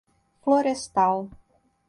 Florestal